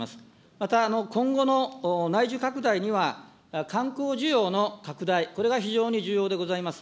また今後の内需拡大には、観光需要の拡大、これが非常に重要でございます。